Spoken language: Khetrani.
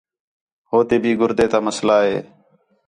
ہوتے بھی گُردیں تا مسئلہ ہِے